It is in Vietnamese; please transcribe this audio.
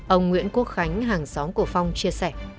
ông nguyễn quốc khánh hàng xóm của phong chia sẻ